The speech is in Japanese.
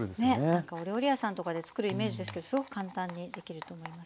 なんかお料理屋さんとかで作るイメージですけどすごく簡単にできると思います。